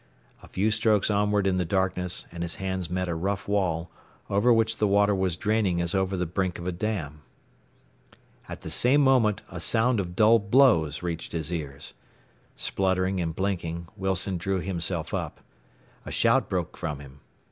A few strokes onward in the darkness, and his hands met a rough wall, over which the water was draining as over the brink of a dam. At the same moment a sound of dull blows reached his ears. Spluttering and blinking, Wilson drew himself up. A shout broke from him.